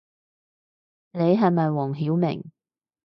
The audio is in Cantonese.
你係咪黃曉明